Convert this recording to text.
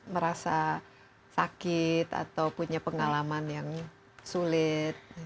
merasa sakit atau punya pengalaman yang sulit